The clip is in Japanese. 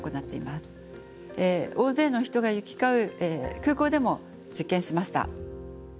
大勢の人が行き交う空港でも実験しました。